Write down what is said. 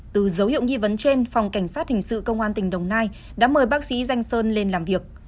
từ dấu hiệu nghi vấn trên phòng cảnh sát hình sự công an tỉnh đồng nai đã mời bác sĩ danh sơn lên làm việc